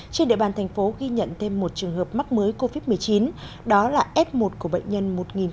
trên địa bàn thành phố ghi nhận thêm một trường hợp mắc mới covid một mươi chín đó là f một của bệnh nhân một nghìn ba mươi